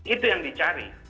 itu yang dicari